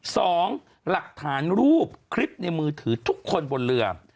สองหลักฐานรูปคลิปในมือถือทุกคนบนเรือ